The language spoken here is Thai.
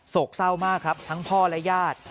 เศร้ามากครับทั้งพ่อและญาติ